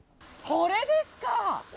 これですか？